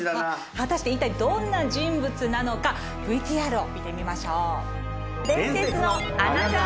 果たして一体どんな人物なのかＶＴＲを見てみましょう。